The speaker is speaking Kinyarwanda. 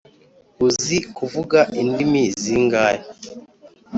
uzi kuvuga indimi zingahe